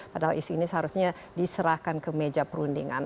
padahal isu ini seharusnya diserahkan ke meja perundingan